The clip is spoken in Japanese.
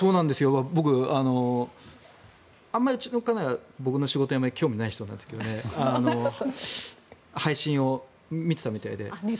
僕、あまりうちの家内は僕の仕事に興味ないんですが配信を見ていたみたいで。